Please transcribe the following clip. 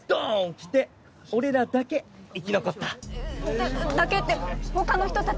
きて俺らだけ生き残っただけって他の人達は？